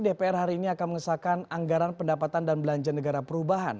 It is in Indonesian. dpr hari ini akan mengesahkan anggaran pendapatan dan belanja negara perubahan